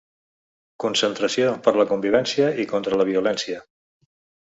Concentració per la convivència i contra la violència.